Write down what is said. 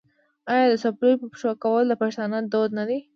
آیا د څپلیو په پښو کول د پښتنو دود نه دی؟